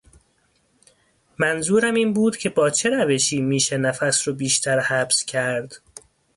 منظورم این بود که با چه روشی میشه نفس رو بیشتر حبس کرد؟